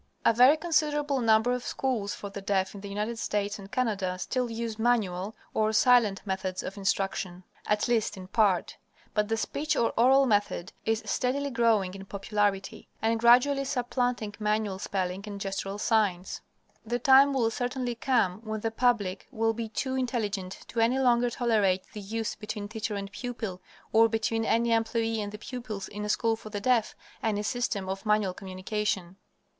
A very considerable number of schools for the deaf in the United States and Canada still use manual, or silent, methods of instruction, at least in part. But the speech, or oral, method is steadily growing in popularity, and gradually supplanting manual spelling and gestural signs. The time will certainly come when the public will be too intelligent to any longer tolerate the use between teacher and pupil, or between any employee and the pupils, in a school for the deaf, any system of manual communication.